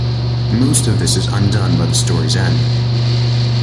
Most of this is undone by the story's end.